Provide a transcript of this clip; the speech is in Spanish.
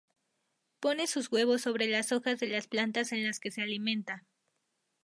Pone sus huevos sobre las hojas de las plantas en las que se alimenta.